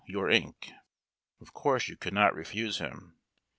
93 your ink. Of course you could not refuse him.